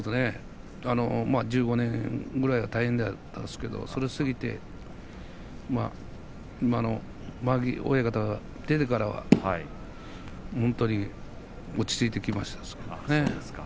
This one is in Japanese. １５年くらいは大変だったんですけれども、それが過ぎて今の間垣親方が出てからは本当に落ち着いてきました。